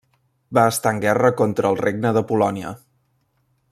Va estar en guerra contra el Regne de Polònia.